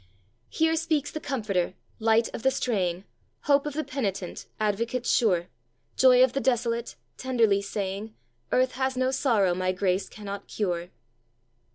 "Here speaks the Comforter, Light of the straying, Hope of the penitent, Advocate sure, Joy of the desolate, tenderly saying, 'Earth has no sorrow My grace cannot cure.'"